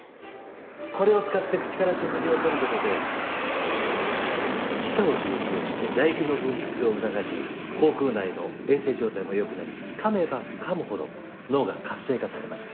これを使って口から食事を取る事で舌を刺激して唾液の分泌を促し口腔内の衛生状態も良くなり噛めば噛むほど脳が活性化されます。